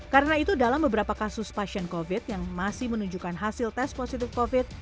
karena itu dalam beberapa kasus pasien covid sembilan belas yang masih menunjukkan hasil tes positif covid sembilan belas